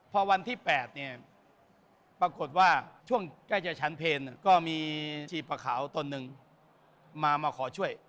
พอวันที่๘เนี่ยปรากฏว่าช่วงใกล้จะชั้นเพลก็มีชีพะขาวตนหนึ่งมามาขอช่วย